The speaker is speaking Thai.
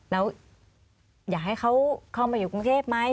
แล้วอยากให้เขาเข้ามาอยู่กรุงเทพไหม